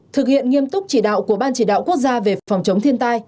thực hiện nghiêm túc chỉ đạo của ban chỉ đạo quốc gia về phòng chống thiên tai